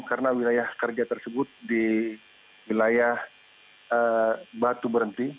karena wilayah kerja tersebut di wilayah batu berhenti